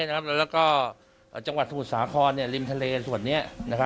แล้วก็จังหวัดสมุทรสาครริมทะเลส่วนนี้